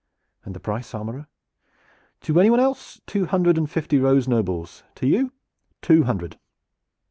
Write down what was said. "And the price, armorer?" "To anyone else, two hundred and fifty rose nobles. To you two hundred."